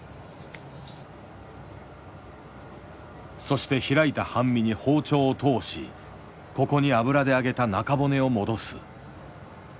そして開いた半身に包丁を通しここに油で揚げた中骨を戻す。